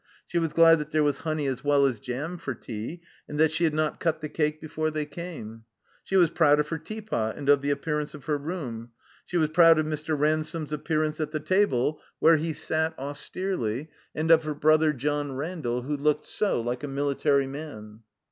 She was glad that there was honey as well as jam for tea, and that she had not cut the cake before they came. She was proud of her teapot, and of the appearance of her room. She was proud of Mr. Ransome's appearance at the table (where he sat 48 THE COMBINED MAZE austerely), and of her brother, John Randall, who looked so like a military man.